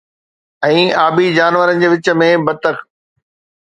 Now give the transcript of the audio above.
۽ آبي جانورن جي وچ ۾ بتڪ